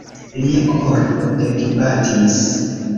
Lia koro ekbatis.